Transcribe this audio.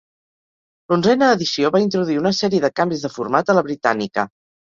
L'onzena edició va introduir una sèrie de canvis de format a la "Britannica".